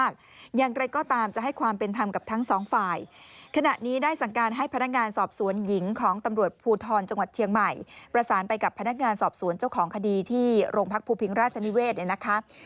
คดีที่โรงพักภูมิพิงราชนิเวศนะครับ